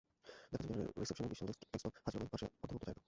দেখা যায় রিসেপশনের বিশাল ডেস্কটপ, হাজিরা বই, পাশে অর্ধভুক্ত চায়ের কাপ।